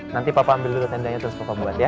nanti papa ambil dulu tendanya terus papa buat ya